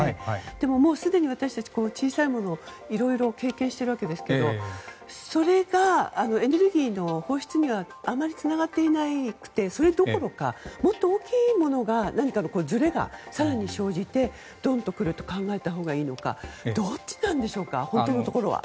でもすでに私たち小さいものをいろいろ経験しているわけですけどもそれが、エネルギーの放出にはあまりつながっていなくてそれどころかもっと大きいものが何かのずれが更に生じてドンとくると考えたほうがいいのかどっちなんでしょうか本当のところは。